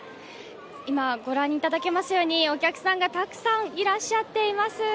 今ご覧いただけますように、お客さんがたくさんいらっしゃっています。